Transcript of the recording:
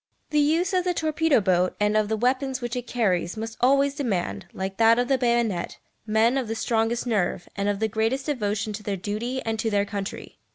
The use of the torpedo boat and of the weapons which it carries must always demand, like that of the bayonet, men of the strongest nerve, and of the greatest devotion to their duty and to their country.